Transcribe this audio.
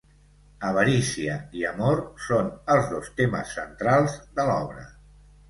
Avarícia i amor són els dos temes centrals de l'obra.